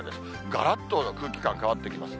がらっと空気感変わってきます。